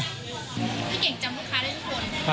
พี่เก่งจำลูกค้าได้ทุกคน